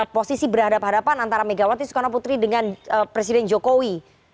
posisi berhadapan antara megawati sukarno putri dengan presiden jokowi